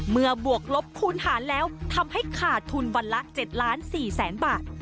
บวกลบคูณหารแล้วทำให้ขาดทุนวันละ๗ล้าน๔แสนบาท